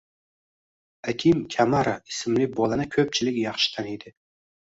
Akim Kamara ismli bolani ko‘pchilik yaxshi taniydi.